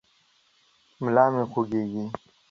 ملا مې خوږېږي.